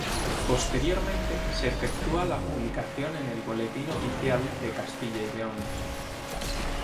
Posteriormente se efectúa la publicación en el Boletín Oficial de Castilla y León.